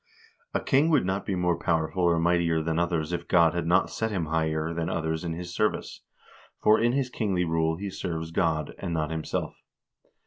A king would not be more powerful or mightier than others if God had not set him higher than others in his service ; for in his kingly rule he serves God, and not himself.